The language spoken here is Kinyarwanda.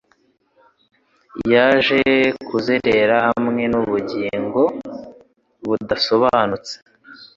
Yaje kuzerera hamwe n'ubugingo budasobanutse